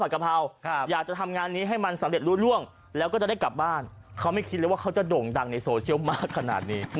เขาไม่คิดเลยว่าเขาจะโด่งดังในโซเชียลมากขนาดนี้